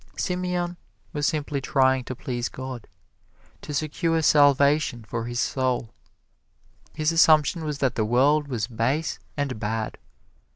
Simeon was simply trying to please God to secure salvation for his soul. His assumption was that the world was base and bad.